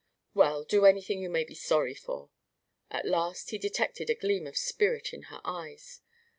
"Well, do anything you may be sorry for." At last he detected a gleam of spirit in her eyes.